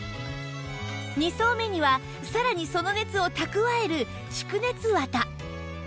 ２層目にはさらにその熱を蓄える蓄熱綿